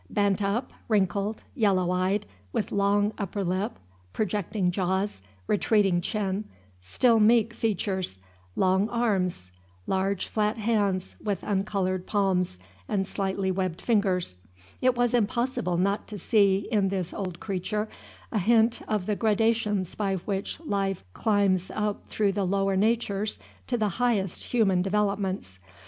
Bent up, wrinkled, yellow eyed, with long upper lip, projecting jaws, retreating chin, still meek features, long arms, large flat hands with uncolored palms and slightly webbed fingers, it was impossible not to see in this old creature a hint of the gradations by which life climbs up through the lower natures to the highest human developments.